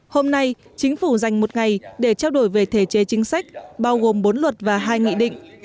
hôm nay chính phủ dành một ngày để trao đổi về thể chế chính sách bao gồm bốn luật và hai nghị định